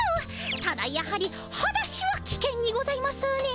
ただやはりはだしはきけんにございますねえ。